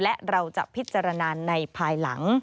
และเราจะพิจารณาในภายหลัง